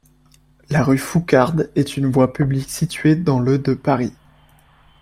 La rue Fourcade est une voie publique située dans le de Paris.